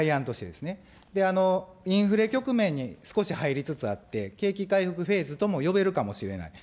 で、インフレ局面に少し入りつつあって、景気回復フェーズとも呼べるかもしれない。